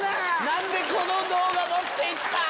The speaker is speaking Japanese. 「何でこの動画持っていった⁉」。